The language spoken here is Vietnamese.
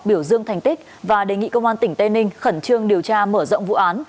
biểu dương thành tích và đề nghị công an tỉnh tây ninh khẩn trương điều tra mở rộng vụ án